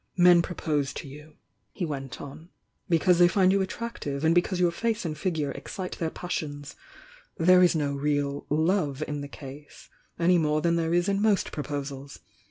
"Men propose to you," he went on, "because they find you attractive, and because your face and fig ure excite their passions— there is no real 'love' in the case, any more than there is in most proposals.